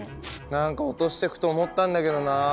何か落としてくと思ったんだけどな。